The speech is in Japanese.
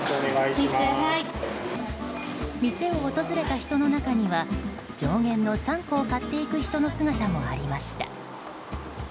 店を訪れた人の中には上限の３個を買っていく人の姿もありました。